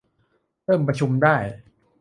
เริ่มประชุมได้